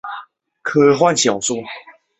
这种技术在以前还只存在于科幻小说之中。